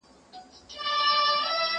زه اوس ليکنه کوم؟